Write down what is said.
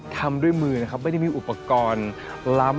ทำด้วยมือนะครับไม่ได้มีอุปกรณ์ล้ำ